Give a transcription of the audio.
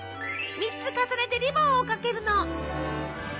３つ重ねてリボンをかけるの。